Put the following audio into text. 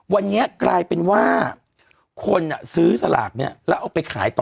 วันนี้กลายเป็นว่าคนซื้อสลากเนี่ยแล้วเอาไปขายต่อ